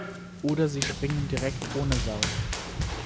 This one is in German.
Oder sie springen direkt ohne Seil.